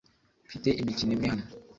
Mfite imikino imwe hano